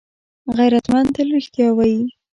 غیرتمند تل رښتیا وايي